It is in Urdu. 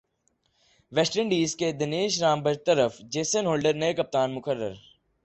ویسٹ انڈیز کے دنیش رام برطرف جیسن ہولڈر نئے کپتان مقرر